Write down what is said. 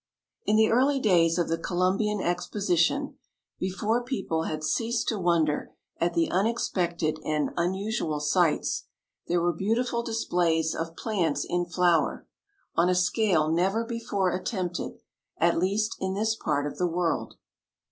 In the early days of the Columbian Exposition, before people had ceased to wonder at the unexpected and unusual sights, there were beautiful displays of plants in flower, on a scale never before attempted, at least in this part of the world.